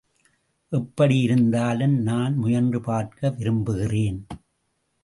எப்படியிருந்தாலும் நான் முயன்று பார்க்க விரும்புகிறேன்.